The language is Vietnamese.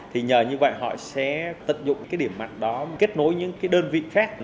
thì nhờ như vậy họ sẽ tận dụng cái điểm mặt đó kết nối những cái đơn vị khác